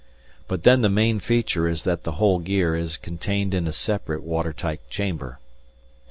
But then the main feature is that the whole gear is contained in a separate water tight chamber.